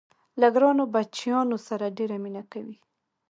له ګرانو بچیانو سره ډېره مینه کوي.